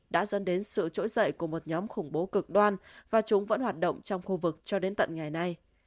đã dẫn đến sự trỗi dậy của một nhóm khủng bố cực đoan và chúng vẫn hoạt động trong khu vực cho đến tận ngày nay